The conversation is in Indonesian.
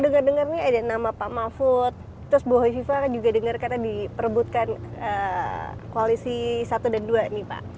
dengar dengarnya ada nama pak mahfud terus bu hoi siva kan juga dengar kata diperbutkan koalisi satu dan dua ini pak